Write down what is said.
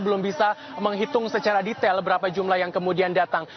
belum bisa menghitung secara detail berapa jumlah yang kemudian datang